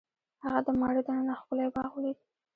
هغه د ماڼۍ دننه ښکلی باغ ولید.